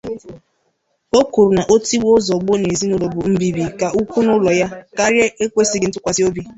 O kwuru na tigbuo-zọgbuo n'ezinụlọ bụ mbibi ka ukwuu n'ụlọ ya, karịa ekwesịghị ntụkwasị obi.